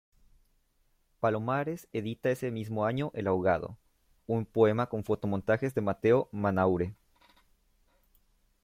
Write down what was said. Palomares edita ese mismo año "El ahogado", un poema con fotomontajes de Mateo Manaure.